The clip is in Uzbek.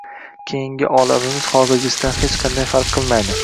— keyingi olamimiz hozirgisidan hech qanday farq qilmaydi